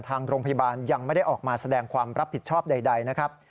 ทางโรงพยาบาลยังไม่ได้ออกมาแสดงความรับผิดชอบใดนะครับ